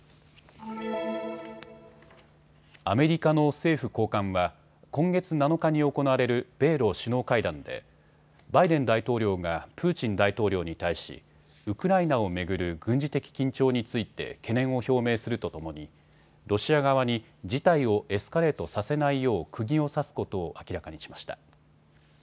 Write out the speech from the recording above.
アメリカの政府高官は今月７日に行われる米ロ首脳会談でバイデン大統領がプーチン大統領に対しウクライナを巡る軍事的緊張について懸念を表明するとともにロシア側に事態をエスカレートさせないようくぎを刺すことを明らかにしました。